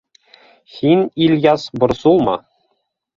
— Һин, Ильяс, борсолма.